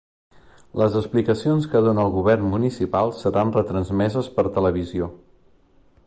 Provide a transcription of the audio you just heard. Les explicacions que dona el govern municipal seran retransmeses per televisió.